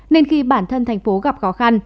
nên khi bản thân thành phố gặp khó khăn